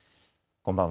こんばんは。